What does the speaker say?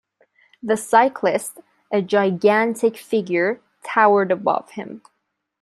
The cyclist, a gigantic figure, towered above him.